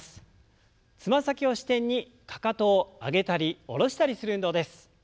つま先を支点にかかとを上げたり下ろしたりする運動です。